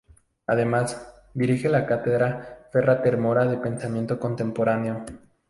Además, dirige la Cátedra Ferrater Mora de Pensamiento Contemporáneo.